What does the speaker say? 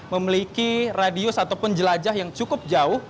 memiliki radius ataupun jelajah yang cukup jauh